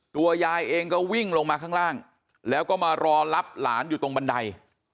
ตัวยายเองก็วิ่งลงมาข้างล่างแล้วก็มารอรับหลานอยู่ตรงบันได